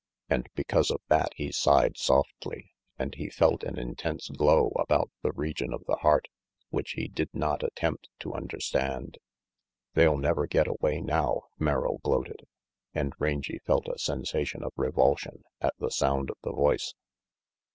And because of that he sighed softly and he felt an intense glow about the region of the heart which he did not attempt to understand. "They'll never get away now," Merrill gloated, and Rangy felt a sensation of revulsion at the sound of the voice.